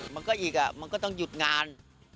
มันก็อีกมันก็ต้องหยุดงาน